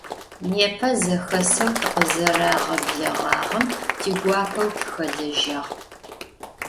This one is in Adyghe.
Nêpe zexeseu tıkhızerağebleğağem tiguapeu tıxelejağ.